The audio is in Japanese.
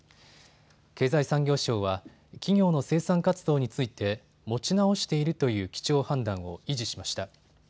経済産業省は、企業の生産活動について持ち直しているという基調判断を維持しました。